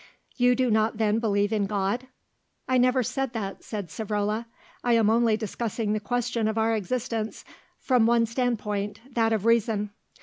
"You do not then believe in God?" "I never said that," said Savrola. "I am only discussing the question of our existence from one standpoint, that of reason.